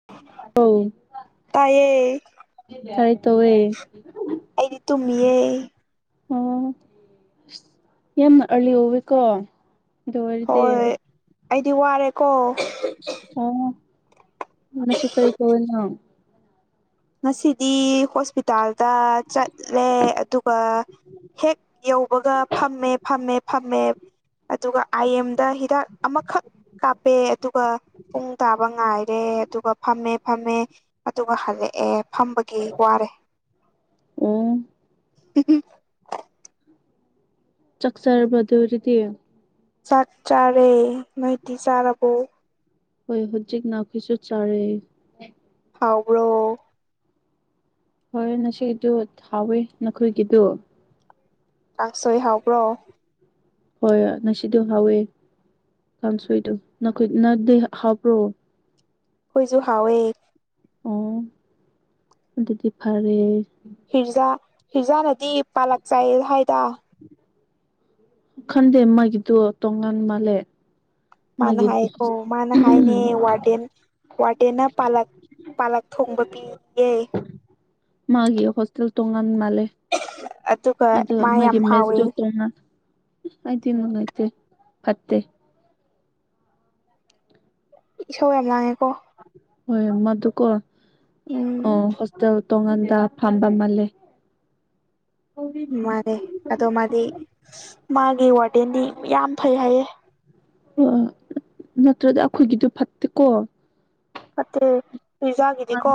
[unintelligible] ꯇꯌꯦ ꯇ꯭ꯔꯥꯏ ꯇꯧꯋꯦ ꯑꯩꯗꯤ ꯇꯨꯝꯃꯤꯌꯦ ꯎꯝ ꯑꯁ ꯌꯥꯝꯅ ꯑꯥꯔꯂꯤ ꯑꯣꯋꯤꯀꯣ ꯑꯗꯨ ꯑꯣꯏꯔꯗꯤ ꯍꯣꯏ ꯑꯩꯗꯤ ꯋꯥꯔꯦꯀꯣ ꯑꯣ ꯉꯥꯁꯤ ꯀꯔꯤ ꯇꯧꯔꯤꯅꯣ ꯉꯁꯤꯗꯤ ꯍꯣꯁꯄꯤꯇꯥꯜꯗ ꯆꯠꯂꯦ ꯑꯗꯨꯒ ꯍꯦꯛ ꯌꯧꯕꯒ ꯐꯥꯝꯃꯦ ꯐꯝꯃꯦ ꯐꯝꯃꯦ ꯑꯗꯨꯒ ꯑꯥꯏ ꯑꯦꯝꯗ ꯍꯤꯗꯥꯛ ꯑꯃꯈꯛ ꯀꯥꯞꯄꯦ ꯑꯗꯨꯒ ꯄꯨꯡ ꯇꯥꯕ ꯉꯥꯏꯔꯦ ꯑꯗꯨꯒ ꯐꯝꯃꯦ ꯐꯝꯃꯦ ꯑꯗꯨꯒ ꯍꯜꯂꯛꯑꯦ ꯐꯝꯕꯒꯤ ꯋꯥꯔꯦ ꯑꯣ ꯍꯨꯝꯍꯨ ꯆꯥꯛ ꯆꯔꯕ ꯑꯗꯨ ꯑꯣꯏꯔꯥꯗꯤ ꯆꯥꯛ ꯆꯥꯔꯦ ꯅꯣꯏꯗꯤ ꯆꯥꯔꯕꯣ ꯍꯣꯏ ꯍꯧꯖꯤꯛꯅ ꯈꯣꯏꯁꯨ ꯆꯥꯔꯦ ꯍꯥꯎꯕ꯭ꯔꯣ ꯍꯣꯏ ꯉꯁꯤꯗꯨ ꯊꯥꯎꯋꯦ ꯅꯈꯣꯏꯒꯤꯗꯨ ꯀꯪꯁꯣꯏ ꯍꯥꯎꯕ꯭ꯔꯣ ꯍꯣꯏ ꯉꯁꯤꯗꯣ ꯍꯥꯎꯋꯦ ꯀꯥꯡꯁꯣꯏꯗꯣ ꯅꯈꯣꯏ ꯅꯪꯗꯤ ꯑꯥ ꯍꯥꯎꯕ꯭ꯔꯣ ꯑꯩꯈꯣꯏꯁꯨ ꯍꯥꯎꯋꯦ ꯑꯣ ꯑꯗꯨꯗꯤ ꯐꯔꯦ ꯍꯤꯔꯖꯥ ꯍꯤꯔꯖꯥꯅꯗꯤ ꯄꯥꯂꯛ ꯆꯥꯏ ꯍꯥꯏꯗ ꯈꯟꯗꯦ ꯃꯥꯒꯤꯗꯣ ꯇꯣꯉꯥꯟ ꯃꯥꯜꯂꯦ ꯃꯥꯅ ꯃꯥꯒꯤ ꯍꯥꯏꯌꯦꯀꯣ ꯃꯥꯅ ꯍꯥꯏꯅꯦ ꯋꯥꯔꯗꯦꯟ ꯋꯥꯔꯗꯦꯟꯅ ꯄꯥꯂꯛ ꯄꯥꯂꯛ ꯊꯣꯡꯕ ꯄꯤ--ꯌꯦ ꯃꯥꯒꯤ ꯍꯣꯁꯇꯦꯜ ꯇꯣꯡꯉꯥꯟ ꯃꯥꯂꯦ ꯑꯗꯨꯒ ꯑꯗꯣ ꯃꯥ ꯌꯥꯝ ꯃꯥꯒꯤ ꯍꯥꯎꯋꯦ ꯃꯦꯁꯇꯣ ꯇꯣꯉꯟ ꯑꯩꯗꯤ ꯅꯨꯉꯥꯏꯇꯦ ꯐꯠꯇꯦ ꯏꯁꯧ ꯌꯥꯝ ꯂꯥꯡꯉꯦꯀꯣ ꯍꯣꯏ ꯃꯗꯨꯀꯣ ꯑꯣ ꯎꯝ ꯍꯣꯁꯇꯦꯜ ꯇꯣꯉꯥꯟꯗ ꯐꯝꯕ ꯃꯥꯜꯂꯦ ꯃꯥꯅꯦ ꯑꯗꯣ ꯃꯥꯗꯤ ꯃꯥꯒꯤ ꯋꯥꯔꯗꯦꯟꯗꯤ ꯃꯌꯥꯝ ꯐꯩ ꯍꯥꯏꯌꯦ ꯑ ꯅꯠꯇ꯭ꯔꯗꯤ ꯑꯩꯈꯣꯏꯒꯤꯗꯨ ꯐꯠꯇꯦꯀꯣ ꯐꯠꯇ꯭ꯔꯦ ꯏꯖꯡꯒꯤꯗꯤꯀꯣ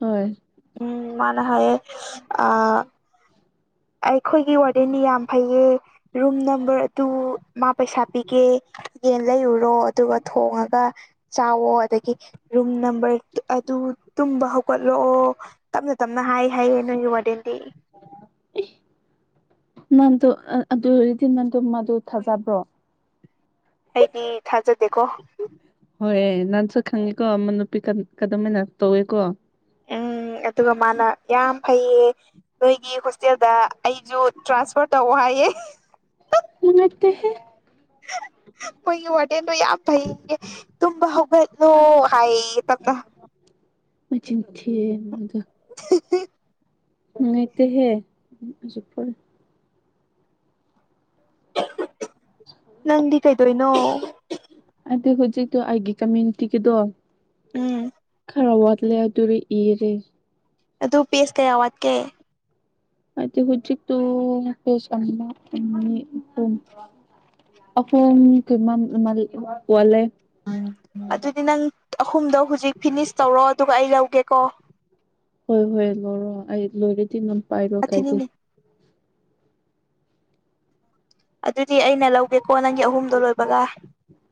ꯍꯣꯏ ꯎꯝ ꯃꯥꯅ ꯍꯥꯏꯌꯦ ꯑ ꯑꯩꯈꯣꯏꯒꯤ ꯋꯥꯗꯦꯟꯗꯤ ꯌꯥꯝ ꯐꯩꯌꯦ ꯔꯨꯝ ꯅꯝꯕꯔ ꯑꯥꯇꯨ ꯃꯥ ꯄꯩꯁꯥ ꯄꯤꯒꯦ ꯀꯥꯏ ꯌꯦꯟ ꯂꯩꯔꯨꯔꯣ ꯑꯗꯨꯒ ꯊꯣꯡꯉꯒ ꯆꯥꯛꯋꯣ ꯑꯗꯒꯤ ꯔꯨꯝ ꯅꯝꯕꯔ ꯑꯗꯨ ꯇꯨꯝꯕ ꯍꯧꯒꯠꯂꯣ ꯑꯣ ꯇꯞꯅ ꯇꯞꯅ ꯍꯥꯏ ꯍꯥꯏꯌꯦ ꯅꯣꯏꯒꯤ ꯋꯥꯗꯦꯟꯗꯤ ꯅꯟꯗꯨ ꯑꯥ ꯑꯗꯨ ꯑꯣꯏꯔꯗꯤ ꯅꯟꯗꯨ ꯃꯗꯨ ꯊꯥꯖꯕ꯭ꯔꯣ ꯑꯩꯗꯤ ꯊꯥꯖꯗꯦꯀꯣ ꯍꯣꯏ ꯅꯥꯪꯁꯨ ꯈꯪꯉꯤꯀꯣ ꯃꯅꯥ ꯀꯥꯟ ꯀꯗꯣꯟꯃꯥꯏꯅ ꯇꯧꯋꯦꯀꯣ ꯎꯝ ꯑꯗꯨꯒ ꯃꯥꯅ ꯌꯥꯝ ꯐꯩꯌꯦ ꯅꯣꯏꯒꯤ ꯍꯣꯁꯇꯦꯜꯗ ꯑꯩꯁꯨ ꯇ꯭ꯔꯥꯟꯁꯐꯔ ꯇꯧꯑꯣ ꯍꯥꯏꯌꯦ ꯅꯨꯡꯉꯥꯏꯇꯦꯍꯦ ꯑꯩꯈꯣꯏꯒꯤ ꯋꯥꯗꯦꯟꯗꯣ ꯌꯥꯝ ꯐꯩꯌꯦ ꯇꯨꯝꯕ ꯍꯧꯒꯠꯂꯣ ꯍꯥꯏꯌꯦ ꯇꯞꯅ [inaudible] ꯃꯆꯤꯟ ꯊꯤꯔꯤ ꯑꯗꯣ ꯅꯨꯉꯥꯏꯇꯦꯍꯦ [unintelligible] ꯅꯪꯗꯤ ꯀꯩꯗꯧꯔꯤꯅꯣ ꯑꯗꯨ ꯍꯨꯖꯤꯛꯛꯇꯣ ꯑꯩꯒꯤ ꯀꯝꯃ꯭ꯌꯨꯅꯤꯇꯤꯒꯤꯗꯣ ꯎꯝ ꯈꯔ ꯋꯥꯠꯂꯦ ꯑꯗꯨꯔ ꯏꯔꯤ ꯑꯗꯨ ꯄꯦꯁ ꯀꯌꯥ ꯋꯥꯠꯀꯦ ꯑꯩꯗꯤ ꯍꯨꯖꯤꯛꯇꯨ ꯄꯦꯁ ꯑꯅꯤ ꯑꯍꯨꯝ ꯑꯍꯨꯝ ꯀꯨꯝ [unintelligible] ꯋꯥꯠꯂꯦ ꯑꯗꯨꯗꯤ ꯅꯪ ꯑꯍꯨꯝꯗꯣ ꯍꯧꯖꯤꯛ ꯐꯤꯅꯤꯁ ꯇꯧꯔꯣ ꯑꯗꯨꯒ ꯑꯩ ꯂꯧꯒꯦꯀꯣ ꯍꯣꯏ ꯍꯣꯏ ꯂꯧꯔꯣ ꯑꯩ ꯂꯣꯏꯔꯗꯤ ꯅꯝ ꯄꯥꯏꯔꯣ ꯀꯥꯏꯗꯦ ꯑꯊꯤꯅꯤꯅꯤ ꯑꯗꯨꯗꯤ ꯑꯩꯅ ꯂꯧꯒꯦꯀꯣ ꯅꯪꯒꯤ ꯑꯍꯨꯝꯗꯣ ꯂꯣꯏꯕꯒ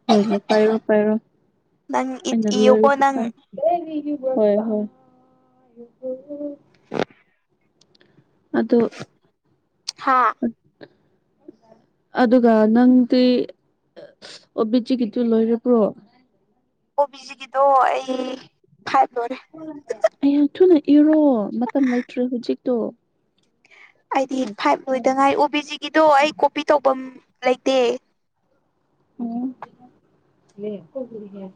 ꯍꯣꯏ ꯄꯥꯏꯔꯣ ꯄꯥꯏꯔꯣ ꯅꯪ ꯏ ꯑꯩꯅ ꯏꯌꯨꯀꯣ ꯂꯣꯏꯔꯗꯤ ꯅꯪ [unintelligible] [inaudible] ꯑꯗꯨ ꯍꯥꯥ ꯑꯗꯨꯒ ꯅꯪꯗꯤ ꯑꯣꯕꯤꯖꯤꯒꯤꯗꯨ ꯂꯣꯏꯔꯕ꯭ꯔꯣ ꯀꯣꯕꯤꯖꯤꯒꯤꯗꯣ ꯑꯩ ꯐꯥꯏꯚ ꯂꯣꯏꯔꯦ ꯑꯩ ꯌꯥꯝ ꯊꯨꯅ ꯏꯔꯣ ꯃꯇꯝ ꯂꯩꯇ꯭ꯔꯦ ꯍꯨꯖꯤꯛꯇꯣ ꯑꯩꯗꯤ ꯐꯥꯏꯚ ꯂꯣꯏꯗꯉꯥꯏ ꯑꯣꯕꯤꯖꯤꯒꯤꯗꯣ ꯑꯩ ꯀꯣꯄꯤ ꯇꯧꯕꯝ ꯂꯩꯇꯦ ꯎꯝ [unintelligible]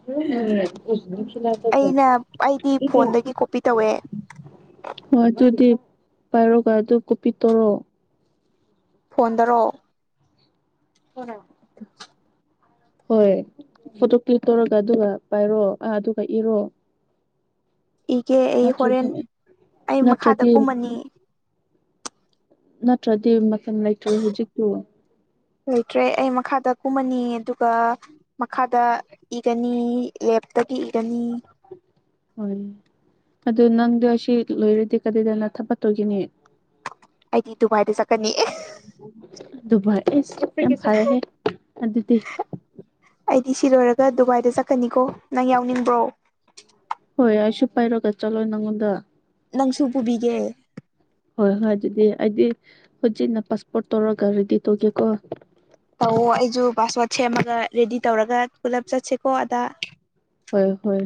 [unintelligible] ꯑꯩꯅ ꯑꯩꯗꯤ ꯐꯣꯟꯗꯒꯤ ꯀꯣꯄꯤ ꯇꯧꯋꯦ ꯍꯣꯏ ꯑꯗꯨꯗꯤ ꯄꯥꯏꯔꯣꯒ ꯑꯗꯨ ꯀꯣꯄꯤ ꯇꯣꯔꯣ ꯐꯣꯟꯗꯔꯣ [unintelligible] ꯍꯣꯏ ꯐꯣꯇꯣ ꯀ꯭ꯂꯤꯛ ꯇꯧꯔꯒ ꯑꯗꯨꯒ ꯄꯥꯏꯔꯣ ꯑ ꯑꯗꯨꯒ ꯏꯔꯣ ꯏꯒꯦ ꯑꯩ ꯅꯠꯇ꯭ꯔꯗꯤ ꯍꯣꯔꯦꯟ ꯑꯩ ꯃꯈꯥꯗ ꯅꯠꯇ꯭ꯔꯗꯤ ꯀꯨꯝꯃꯅꯤ ꯅꯠꯇ꯭ꯔꯗꯤ ꯃꯇꯝ ꯂꯩꯇ꯭ꯔꯦ ꯍꯧꯖꯤꯛꯇꯨ ꯂꯩꯇ꯭ꯔꯦ ꯑꯩ ꯃꯈꯥꯗ ꯀꯨꯝꯃꯅꯤ ꯑꯗꯨꯒ ꯃꯈꯥꯗ ꯏꯒꯅꯤ ꯂꯦꯞꯇꯒꯤ ꯏꯒꯅꯤ ꯍꯣꯏ ꯑꯗꯨ ꯅꯪꯗꯣ ꯑꯁꯤ ꯂꯣꯏꯔꯗꯤ ꯀꯗꯥꯏꯗꯅ ꯊꯥꯕꯠꯇꯧꯒꯤꯅꯤ ꯑꯩꯗꯤ ꯗꯨꯕꯥꯏꯗ ꯆꯠꯀꯅꯤ ꯏ ꯑꯗꯨꯕꯥꯥꯏ ꯏꯁ ꯌꯥꯝ ꯐꯔꯦ ꯏꯁ ꯑꯗꯨꯗꯤ ꯑꯩꯗꯤ ꯁꯤ ꯂꯣꯏꯔꯒ ꯗꯨꯕꯥꯏꯗ ꯆꯠꯀꯅꯤꯀꯣ ꯅꯪ ꯌꯥꯎꯅꯤꯡꯕ꯭ꯔꯣ ꯍꯣꯏ ꯑꯩꯁꯨ ꯄꯥꯏꯔꯒ ꯆꯠꯂꯣꯏ ꯅꯪꯉꯣꯟꯗ ꯅꯪꯁꯨ ꯄꯨꯕꯤꯒꯦ ꯍꯣꯏ ꯍꯣꯏ ꯑꯗꯨꯗꯤ ꯑꯩꯗꯤ ꯍꯨꯖꯤꯛꯅ ꯄꯥꯁꯄꯣꯔꯠ ꯇꯧꯔꯒ ꯔꯦꯗꯤ ꯇꯧꯒꯦꯀꯣ ꯇꯧꯋꫭ ꯑꯩꯁꯨ ꯄꯥꯁꯋꯥꯗ ꯁꯦꯝꯃꯒ ꯔꯦꯗꯤ ꯇꯧꯔꯒ ꯄꯨꯂꯞ ꯆꯠꯁꯤꯀꯣ ꯑꯗ ꯍꯣꯏ ꯍꯣꯏ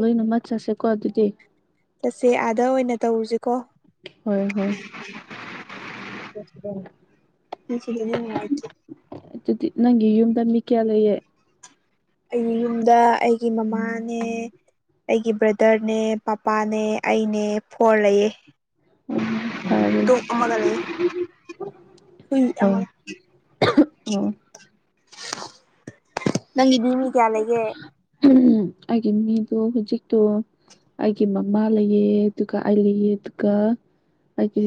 ꯂꯣꯏꯅꯃꯛ ꯆꯠꯁꯦꯀꯣ ꯑꯗꯨꯗꯤ ꯆꯠꯁꯦ ꯑꯥꯗ ꯑꯣꯏꯅ ꯇꯧꯔꯨꯁꯤꯀꯣ ꯍꯣꯏ ꯍꯣꯏ [inaudible] [unintelligible] ꯗꯤ ꯅꯪ ꯌꯨꯝꯗ ꯃꯤ ꯀꯌꯥ ꯂꯩꯌꯦ ꯑꯩꯒꯤ ꯌꯨꯝꯗ ꯑꯩꯒꯤ ꯃꯃꯥꯅꯦ ꯑꯩꯒꯤ ꯕ꯭ꯔꯗꯔꯅꯦ ꯄꯄꯥꯅꯦ ꯑꯩꯅꯦ ꯐꯣꯔ ꯂꯩꯌꯦ ꯑꯣ ꯐꯔꯦ ꯗꯨꯛ ꯑꯃ ꯂꯩꯔꯝꯃꯤ ꯍꯨꯢ ꯍꯣꯏ ꯑꯃꯒ ꯑꯣ ꯅꯪꯒꯤꯗꯤ ꯃꯤ ꯀꯌꯥ ꯂꯩꯒꯦ ꯑꯩꯒꯤ ꯃꯤꯗꯣ ꯍꯧꯖꯤꯛꯇꯣ ꯑꯩꯒꯤ ꯃꯃꯥ ꯂꯩꯑꯦ ꯑꯗꯨꯒ ꯑꯩ ꯂꯩꯑꯦ ꯑꯗꯨꯒ ꯑꯩꯒꯤ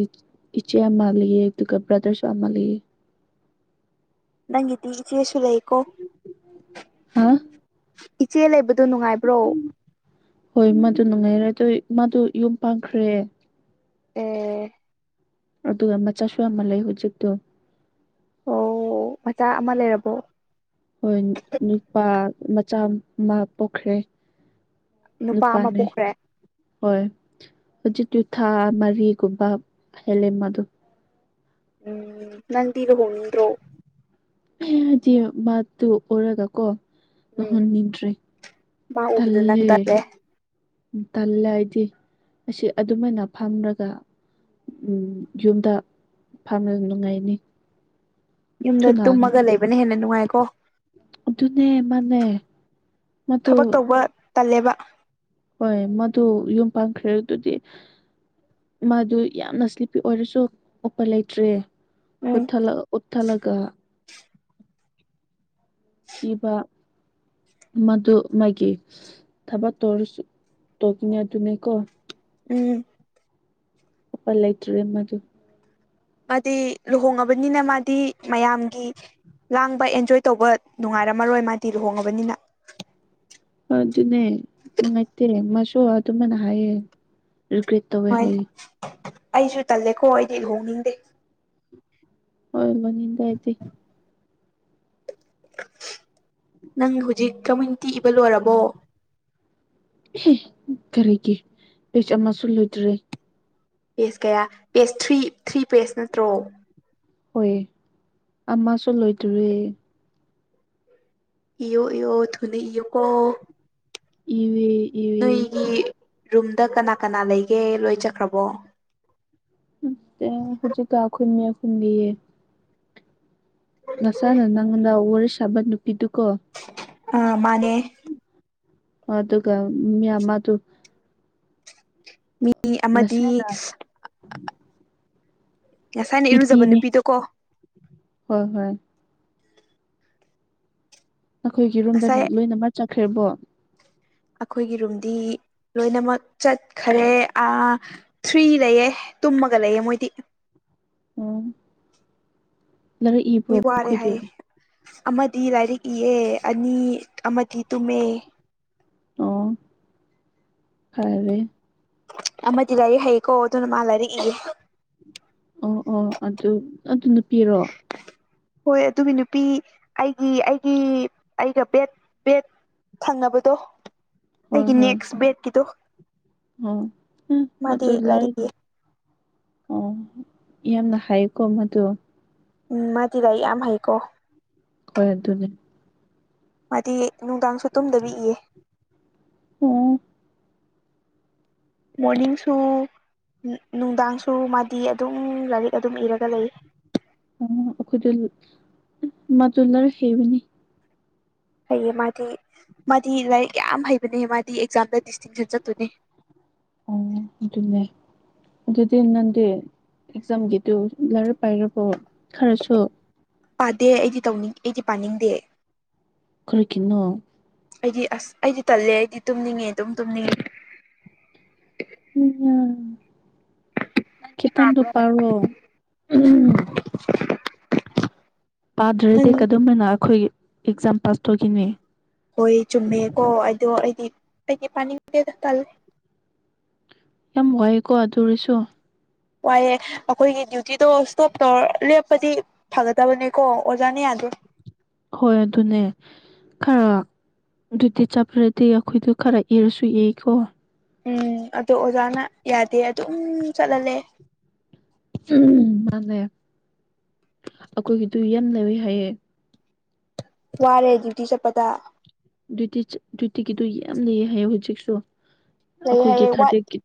ꯏꯆꯦ ꯑꯃ ꯂꯩꯑꯦ ꯑꯗꯨꯒ ꯕ꯭ꯔꯗꯔꯁꯨ ꯑꯃ ꯂꯩꯑꯦ ꯅꯪꯒꯤꯗꯤ ꯏꯆꯦꯁꯨ ꯂꯩꯀꯣ ꯍꯥ ꯏꯆꯦ ꯂꯩꯕꯗꯣ ꯅꯨꯡꯉꯥꯏꯕ꯭ꯔꯣ ꯍꯣꯏ ꯃꯗꯨ ꯅꯨꯡꯉꯥꯏꯔꯦ ꯑꯗꯨ ꯃꯥꯗꯨ ꯌꯨꯝ ꯄꯥꯟꯈ꯭ꯔꯦ ꯑꯦ ꯑꯗꯨꯒ ꯃꯆꯥꯁꯨ ꯌꯥꯝ ꯂꯩ ꯍꯧꯖꯤꯛꯇꯣ ꯑꯣ ꯃꯆꯥ ꯑꯃ ꯂꯩꯔꯕꯣ ꯍꯣꯏ ꯅꯨꯄꯥ ꯃꯆꯥ ꯑꯃ ꯄꯣꯛꯈ꯭ꯔꯦ ꯅꯨꯄꯥ ꯑꯃ ꯅꯨꯄꯥꯅꯦ ꯄꯣꯛꯈ꯭ꯔꯦ ꯍꯣꯏ ꯍꯧꯖꯤꯛꯇꯤ ꯊꯥ ꯃꯔꯤꯒꯨꯝꯕ ꯍꯦꯜꯂꯦ ꯃꯗꯣ ꯎꯝ ꯅꯪꯗꯤ ꯂꯨꯍꯣꯡꯅꯤꯡꯗ꯭ꯔꯣ ꯍꯥꯏꯗꯤ ꯃꯥꯗꯨ ꯎꯔꯒꯀꯣ ꯎꯝ ꯇꯧꯍꯟꯅꯤꯡꯗ꯭ꯔꯦ ꯃꯥ ꯎꯕꯗ ꯅꯪ ꯇꯜꯂꯦ ꯇꯜꯂꯦ ꯑꯩꯗꯤ ꯑꯁꯤ ꯑꯗꯨꯃꯥꯏꯅ ꯐꯝꯔꯒ ꯌꯨꯝꯗ ꯐꯝꯔꯒ ꯅꯨꯡꯉꯥꯏꯅꯤ ꯌꯨꯝꯗ ꯊꯨꯅ ꯇꯨꯝꯃꯒ ꯂꯩꯕꯅ ꯍꯦꯟꯅ ꯅꯨꯡꯉꯥꯏꯀꯣ ꯑꯗꯨꯅꯦ ꯃꯅꯦ ꯃꯗꯣ ꯊꯕꯛ ꯇꯧꯕ ꯇꯜꯂꯦꯕ ꯍꯣꯏ ꯃꯗꯨ ꯌꯨꯝ ꯄꯥꯟꯈ꯭ꯔꯦ ꯑꯗꯨꯗꯤ ꯃꯥꯗꯣ ꯌꯥꯝꯅ ꯁ꯭ꯂꯤꯞꯄꯤ ꯑꯣꯏꯔꯁꯨ ꯎꯄꯥꯏ ꯂꯩꯇ꯭ꯔꯦ ꯎꯝ ꯎꯊꯠꯂꯒ ꯎꯊꯠꯂꯒ ꯏꯕ ꯃꯗꯣ ꯃꯥꯒꯤ ꯊꯕꯛ ꯇꯧꯔꯁꯨ ꯇꯧꯈꯤꯅꯦ ꯑꯗꯨꯅꯤꯀꯣ ꯎꯝ ꯄꯜ ꯂꯩꯇ꯭ꯔꯦ ꯃꯗꯣ ꯃꯥꯗꯤ ꯂꯨꯍꯣꯡꯉꯕꯅꯤꯅ ꯃꯥꯗꯤ ꯃꯌꯥꯝꯒꯤ ꯂꯥꯡꯕ ꯑꯦꯟꯖꯣꯏ ꯇꯧꯕ ꯅꯨꯡꯉꯥꯏꯔꯝꯃꯔꯣꯏ ꯃꯥꯗꯤ ꯂꯨꯍꯣꯡꯉꯕꯅꯤꯅ ꯑꯗꯨꯅꯦ ꯅꯨꯡꯉꯥꯏꯇꯦ ꯃꯁꯨ ꯑꯗꯨꯃꯥꯏꯅ ꯍꯥꯏꯌꯦ ꯔꯤꯒ꯭ꯔꯦꯠ ꯇꯧꯋꯦ ꯥꯋꯥꯏ ꯍꯥꯏꯌꯦ ꯑꯩꯁꯨ ꯇꯜꯂꯦꯀꯣ ꯑꯩꯗꯤ ꯂꯨꯍꯣꯡꯅꯤꯡꯗꯦ ꯍꯣꯏ ꯂꯨꯍꯣꯡꯅꯤꯡꯗꯦ ꯑꯩꯗꯤ ꯅꯪ ꯍꯧꯖꯤꯛ ꯀꯃꯨꯅꯤꯇꯤ ꯏꯕ ꯂꯣꯏꯔꯕꯣ ꯍꯦ ꯀꯔꯤꯒꯤ ꯑꯩ ꯑꯃꯁꯨ ꯂꯣꯏꯗ꯭ꯔꯤ ꯄꯦꯁ ꯀꯌꯥ ꯄꯦꯁ ꯊ꯭ꯔꯤ ꯊ꯭ꯔꯤ ꯄꯦꯁ ꯅꯠꯇ꯭ꯔꯣ ꯍꯣꯏ ꯑꯃꯁꯨ ꯂꯣꯏꯗ꯭ꯔꯤꯌꯦ ꯏꯌꯣ ꯏꯌꯣ ꯊꯨꯅ ꯏꯑꯣꯀꯣ ꯏꯌꯦ ꯏꯌꯦ ꯅꯣꯏꯒꯤ ꯔꯨꯝꯗ ꯀꯅꯥ ꯀꯅꯥ ꯂꯩꯒꯦ ꯂꯣꯏ ꯆꯠꯈ꯭ꯔꯕꯣ ꯆꯠꯇꯦ ꯍꯧꯖꯤꯛꯀ ꯑꯩꯈꯣꯏ ꯃꯌꯥꯝ ꯄꯨꯟꯕꯤꯌꯦ ꯉꯁꯥꯏꯅ ꯅꯉꯣꯟꯗ ꯋꯥꯔꯤ ꯁꯥꯕ ꯅꯨꯄꯤꯗꯨꯀꯣ ꯑꯥ ꯃꯥꯅꯦ꯫ ꯑꯗꯨꯒ ꯃꯤ ꯑꯃꯗꯨ, ꯃꯤ ꯑꯃꯗꯤ ꯅꯁꯥꯏꯅ, ꯉꯁꯥꯏꯅ ꯏꯔꯨꯖꯕ ꯅꯨꯄꯤꯗꯣ ꯀꯣ꯫ ꯍꯣꯏ ꯍꯣꯏ ꯑꯈꯣꯏꯒꯤ ꯔꯨꯝꯗ ꯉꯁꯥꯏ ꯂꯣꯏꯅꯃꯛ ꯆꯠꯈ꯭ꯔꯦꯕꯣ꯫ ꯑꯩꯈꯣꯏꯒꯤ ꯔꯨꯝꯗꯤ ꯂꯣꯏꯅꯃꯛ ꯆꯠꯈꯔꯦ ꯑꯥ ꯊ꯭ꯔꯤ ꯂꯩꯑꯦ ꯇꯨꯝꯃꯒ ꯂꯩꯑꯦ ꯃꯣꯏꯗꯤ꯫ ꯎꯝ ꯃꯤ ꯋꯥꯔꯦ ꯃꯈꯣꯏꯗꯤ ꯍꯥꯏꯌꯦ ꯑꯃꯗꯤ ꯂꯥꯏꯔꯤꯛ ꯏꯌꯦ ꯑꯅꯤ ꯑꯃꯗꯤ ꯇꯨꯝꯃꯦ꯫ ꯑꯣ ꯐꯥꯔꯦ꯫ ꯑꯃꯗꯤ ꯂꯥꯏꯔꯤꯛ ꯍꯩꯌꯦꯀꯣ ꯑꯗꯨꯅ ꯃꯥ ꯂꯥꯏꯔꯤꯛ ꯏꯌꯦ꯫ ꯑꯣ ꯑꯣ ꯑꯗꯨ ꯑꯗꯨ ꯅꯨꯄꯤꯔꯣ? ꯍꯣꯏ ꯑꯗꯨꯒꯤ ꯅꯨꯄꯤ ꯑꯩꯒꯤ ꯑꯩꯒꯤ ꯑꯩꯒ ꯕꯦꯠ ꯕꯦꯠ ꯊꯪꯅꯕꯗꯣ ꯍꯣꯏ ꯑꯩꯒꯤ ꯍꯣꯏ ꯅꯦꯛꯁ ꯕꯦꯠꯀꯤꯗꯣ꯫ ꯑꯣ ꯃꯗꯨ ꯃꯥꯗꯤ ꯂꯩ꯫ ꯂꯥꯏꯔꯤꯛ ꯏꯌꯦ ꯑꯣ ꯌꯥꯝꯅ ꯍꯩꯀꯣ ꯃꯗꯨ꯫ ꯎꯝ ꯃꯥꯗꯤ ꯂꯥꯏꯔꯤꯛ ꯌꯥꯝ ꯍꯩꯀꯣ꯫ ꯍꯣꯏ ꯑꯗꯨꯅꯦ꯫ ꯃꯥꯗꯤ ꯅꯨꯡꯗꯥꯡꯁꯨ ꯇꯨꯝꯗꯕꯤ ꯏꯌꯦ꯫ ꯑꯣ꯫ ꯃꯣꯔꯅꯤꯡꯁꯨ, ꯅꯨꯡꯗꯥꯡꯁꯨ ꯃꯥꯗꯤ ꯑꯗꯨꯝ ꯂꯥꯏꯔꯤꯛ ꯑꯗꯨꯝ ꯏꯔꯒ ꯂꯩꯌꯦ꯫ ꯎꯝ ꯑꯈꯣꯏꯗ ꯎꯝ ꯃꯥꯗꯨ ꯂꯥꯏꯔꯛ ꯍꯩꯕꯅꯤ꯫ ꯍꯩꯌꯦ ꯃꯥꯗꯤ ꯃꯥꯗꯤ ꯂꯥꯏꯔꯤꯛ ꯌꯥꯝ ꯍꯩꯕꯅꯦ ꯃꯥꯗꯤ ꯑꯦꯛꯖꯥꯝꯗ ꯗꯤꯁꯇꯤꯡꯁꯟ ꯆꯠꯇꯣꯏꯅꯦ꯫ ꯑꯣ ꯑꯗꯨꯅꯦ꯫ ꯑꯗꯨꯗꯤ ꯅꯪꯗꯤ ꯑꯦꯛꯖꯥꯝꯒꯤꯗꯨ ꯂꯥꯏꯔꯤꯛ ꯄꯥꯏꯔꯕꯣ ꯈꯔꯁꯨ꯫ ꯄꯥꯗꯦ ꯑꯩꯗꯤ ꯇꯧꯅꯤꯡ ꯑꯩꯗꯤ ꯄꯥꯅꯤꯡꯗꯦ꯫ ꯀꯔꯤꯒꯤꯅꯣ? ꯑꯩꯗꯤ ꯑꯁ ꯑꯩꯗꯤ ꯇꯜꯂꯦ ꯑꯩꯗꯤ ꯇꯨꯝꯅꯤꯡꯉꯦ ꯑꯗꯨꯝ ꯇꯨꯝꯅꯤꯡꯉꯦ꯫ [unintelligible] ꯅꯪꯗꯤ ꯈꯤꯇꯪꯗꯣ ꯄꯥꯕ꯭ꯔꯣ ꯄꯔꯣ꯫ ꯄꯥꯗ꯭ꯔꯗꯤ ꯅꯪ ꯀꯗꯝꯃꯥꯏꯅ ꯑꯩꯈꯣꯏ ꯑꯦꯛꯖꯥꯝ ꯄꯥꯁ ꯇꯧꯈꯤꯅꯤ꯫ ꯍꯣꯏ ꯆꯨꯝꯃꯦꯀꯣ ꯑꯗꯣ ꯑꯩꯗꯤ ꯑꯩꯗꯤ ꯄꯥꯅꯤꯡꯗꯦꯗ ꯇꯜꯂꯦ꯫ ꯌꯝ ꯋꯥꯏꯌꯦꯀꯣ ꯑꯗꯨ ꯑꯣꯏꯔꯥꯁꯨ꯫ ꯋꯥꯏꯑꯦ ꯑꯩꯈꯣꯏꯒꯤ ꯗ꯭ꯌꯨꯇꯤꯗꯣ ꯏꯁꯇꯣꯞ ꯇꯧꯔ ꯂꯦꯞꯄꯗꯤ, ꯐꯥꯒꯗꯕꯅꯦꯀꯣ ꯑꯣꯖꯥꯅ ꯌꯥꯗꯦ꯫ ꯍꯣꯏ ꯑꯗꯨꯅꯦ꯫ ꯈꯔ ꯑꯗꯨꯗꯤ ꯆꯠꯈꯔꯗꯤ ꯑꯈꯣꯏꯗꯨ ꯈꯔ ꯏꯔꯁꯨ ꯏꯀꯣ꯫ ꯎꯝ ꯑꯗꯣ ꯑꯣꯖꯥꯅ ꯌꯥꯗꯦ ꯑꯗꯨꯝ ꯆꯠꯍꯜꯂꯦ꯫ ꯎꯝ ꯃꯥꯅꯦ ꯑꯈꯣꯏꯒꯤꯗꯨ ꯌꯥꯝ ꯂꯩꯋꯦ ꯍꯥꯏꯌꯦ꯫ ꯋꯥꯔꯦ ꯗ꯭ꯌꯨꯇꯤ ꯆꯠꯄꯗ꯫ ꯗ꯭ꯌꯨꯇꯤ ꯆꯠ ꯗ꯭ꯌꯨꯇꯤꯒꯤꯗꯨ ꯌꯥꯝ ꯂꯩꯌꯦ ꯍꯥꯏꯌꯦ ꯍꯧꯖꯤꯛꯁꯨ꯫ ꯂꯩ ꯑꯈꯣꯏꯒꯤ ꯍꯥꯏꯌꯦ ꯋꯥꯠ ꯊꯥ꯭ꯔꯇꯤ ꯀꯤꯠ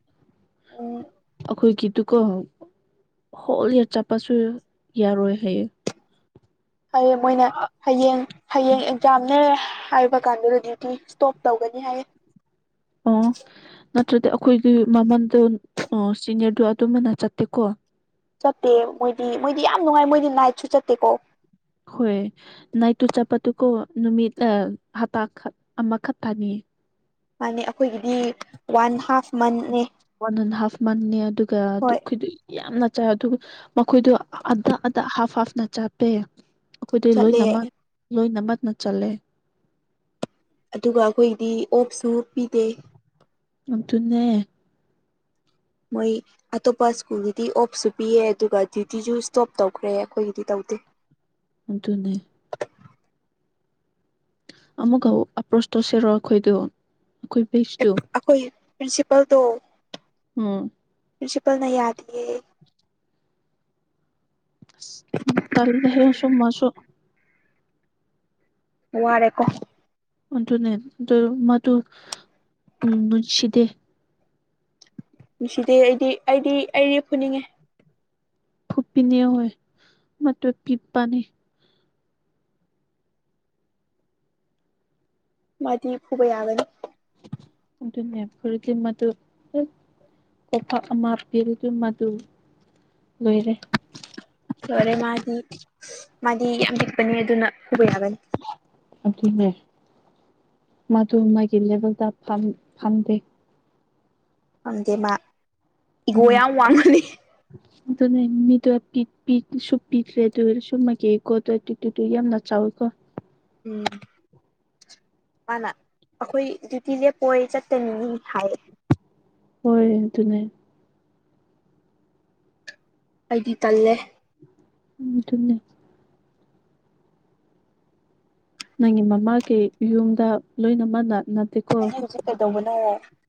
ꯎꯝ ꯑꯈꯣꯏꯒꯤꯗꯨꯀꯣ ꯍꯣꯜ ꯏꯔ ꯆꯠꯄꯁꯨ ꯌꯥꯔꯣꯏ ꯍꯥꯏꯌꯦ꯫ ꯍꯌꯦꯡ ꯃꯣꯏꯅ ꯍꯌꯦꯡ ꯍꯌꯦꯡ ꯑꯦꯛꯖꯥꯝꯅꯦ ꯍꯥꯏꯕ ꯀꯥꯟꯗꯨꯗ ꯗꯇꯤ ꯏꯁ꯭ꯇꯣꯞ ꯇꯧꯒꯅꯤ ꯍꯥꯏꯌꯦ ꯑꯣ ꯅꯠꯇ꯭ꯔꯗꯤ ꯑꯩꯈꯣꯏꯒꯤ ꯃꯃꯟꯗꯣ ꯑꯣ ꯁꯤꯅꯤꯌ꯭ꯔꯗꯣ ꯑꯗꯨꯝꯕꯅ ꯆꯠꯇꯦꯀꯣ ꯆꯠꯇꯦ ꯃꯣꯏꯗꯤ ꯃꯣꯏꯗꯤ ꯌꯥꯝ ꯅꯨꯡꯉꯥꯏ ꯃꯣꯏꯗꯤ ꯅꯥꯏꯠꯁꯨ ꯆꯠꯇꯦꯀꯣ ꯍꯣꯏ ꯅꯥꯏꯠꯇꯨ ꯆꯠꯄꯗꯨꯀꯣ ꯅꯨꯃꯤꯠ ꯑ ꯍꯞꯇꯥ ꯈꯛ ꯑꯃꯈꯛ ꯇꯥꯅꯦ ꯃꯥꯅꯦ ꯑꯩꯈꯣꯏꯒꯤꯗꯤ ꯋꯥꯟ ꯍꯥꯐ ꯃꯟꯅꯦ ꯋꯥꯟ ꯑꯟ ꯍꯥꯐ ꯃꯟꯅꯦ ꯑꯗꯨꯒ ꯗꯨ ꯍꯣꯏ ꯈꯣꯏꯗꯤ ꯌꯥꯝꯅ ꯆꯥ ꯑꯗꯨ ꯃꯈꯣꯏꯗꯣ ꯑꯗ ꯑꯗ ꯍꯥꯐ ꯍꯥꯐꯅ ꯆꯞꯄꯦ ꯑꯩꯈꯣꯏꯗꯤ ꯆꯠꯂꯦ ꯂꯣꯏꯅꯃꯛ ꯂꯣꯏꯅꯃꯛꯅ ꯆꯜꯂꯦ ꯑꯗꯨꯒ ꯑꯈꯣꯏꯗꯤ ꯑꯣꯐꯁꯨ ꯄꯤꯗꯦ ꯑꯗꯨꯅꯦ ꯃꯣꯏ ꯑꯇꯣꯞꯄ ꯁ꯭ꯀꯨꯜꯒꯤꯗꯤ ꯑꯣꯐꯁꯨ ꯄꯤꯌꯦ ꯑꯗꯨꯒ ꯗ꯭ꯌꯨꯇꯤꯁꯨ ꯁ꯭ꯇꯣꯞ ꯇꯧꯈ꯭ꯔꯦ ꯑꯩꯈꯣꯏꯒꯤꯗꯤ ꯇꯧꯗꯦ ꯑꯗꯨꯅꯦ ꯑꯃꯨꯛꯀ ꯑꯄ꯭ꯔꯣꯁ ꯇꯧꯁꯤꯔꯣ ꯑꯩꯈꯣꯏꯗꯨ ꯑꯈꯣꯏ ꯕꯦꯁꯇꯨ ꯑꯈꯣꯏ ꯄ꯭ꯔꯤꯟꯁꯤꯄꯜꯗꯣ ꯎꯝ ꯄ꯭ꯔꯤꯟꯁꯤꯄꯜꯅ ꯌꯥꯗꯤꯌꯦ ꯏꯑ ꯇꯜꯂꯦꯍꯦ ꯑꯁꯨ ꯃꯁꯨ ꯋꯥꯔꯦꯀꯣ ꯑꯗꯨꯅꯦ ꯗꯨ ꯃꯗꯨ ꯎꯝ ꯅꯨꯡꯁꯤꯗꯦ ꯅꯨꯡꯁꯤꯗꯦ ꯑꯩꯗꯤ ꯑꯩꯗꯤ ꯑꯩ ꯐꯨꯅꯤꯡꯉꯦ ꯈꯨꯄꯤꯅꯣ ꯍꯣꯏ ꯃꯇꯠ ꯄꯤꯞꯄꯅꯦ ꯃꯗꯤ ꯐꯨꯕꯥ ꯌꯥꯒꯅꯤ ꯑꯗꯨꯅꯦ ꯐꯨꯔꯗꯤ ꯃꯗꯨ ꯑ ꯀꯣꯄꯥꯛ ꯑꯃ ꯄꯤꯔꯗꯤ ꯃꯗꯨ ꯂꯣꯏꯔꯦ ꯌꯥꯔꯦ ꯃꯥꯗꯤ ꯃꯥꯗꯤ ꯌꯥꯝ ꯄꯤꯛꯄꯅꯤ ꯑꯗꯨꯅ ꯐꯨꯕ ꯌꯥꯒꯅꯤ ꯑꯗꯨꯅꯦ ꯃꯥꯗꯨ ꯃꯥꯒꯤ ꯂꯦꯚꯦꯜꯗ ꯐꯝꯗꯦ ꯈꯪꯗꯦ ꯃꯥ ꯏꯒꯣ ꯎꯝ ꯌꯥꯝ ꯋꯥꯡꯃꯜꯂꯤ ꯑꯗꯨꯅꯦ ꯃꯤꯗꯣ ꯄꯤ ꯄꯤꯁꯨ ꯄꯤꯗ꯭ꯔꯦ ꯑꯗꯨ ꯑꯣꯏꯔꯁꯨ ꯃꯥꯒꯤ [unintelligible] ꯑꯗꯨꯨꯗ ꯌꯥꯝꯅ ꯆꯥꯎꯋꯤꯀꯣ ꯎꯝ ꯃꯥꯅ ꯑꯩꯈꯣꯏ ꯗ꯭ꯌꯨꯇꯤꯁꯦ ꯀꯣꯏ ꯆꯠꯇꯅꯤꯅꯤ ꯍꯥꯏ ꯍꯣꯏ ꯑꯗꯨꯅꯦ ꯑꯩꯗꯤ ꯇꯜꯂꯦ ꯎ ꯑꯗꯨꯅꯦ ꯅꯪꯒꯤ ꯃꯃꯥꯒꯤ ꯌꯨꯝꯗ ꯂꯣꯏꯅꯃꯛꯅ ꯅꯗꯦꯀꯣ ꯀꯩꯗꯧꯕꯅꯦ ꯍꯥꯏꯔꯣ